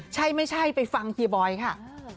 ใช่ไม่ใช่ไปฟังเฮียบอยค่ะ